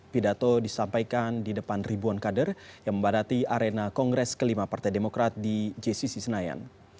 pidato disampaikan di depan ribuan kader yang membadati arena kongres kelima partai demokrat di jcc senayan